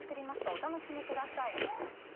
お楽しみください」